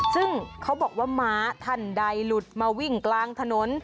ซึ่งเขาบอกว่าม้าท่านใดหลุดมาวิ่งกลางถนน